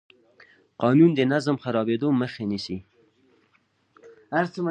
قانون د نظم د خرابېدو مخه نیسي.